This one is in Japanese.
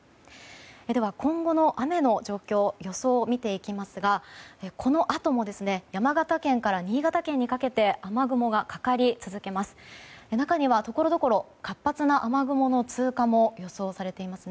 では、今後の雨の状況予想を見ていきますがこのあとも山形県から新潟県にかけて雨雲がかかり続けます。